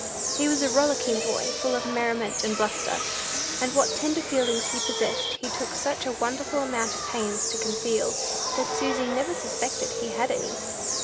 He was a rollicking boy, full of merriment and bluster, and what tender feelings he possessed, he took such a wonderful amount of pains to conceal, that Susy never suspected he had any.